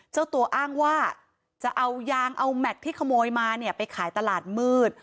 เจ้าตัวอ้างว่าจะเอายางเอาแม็กซ์ที่ขโมยมาเนี่ยไปขายตลาดมืด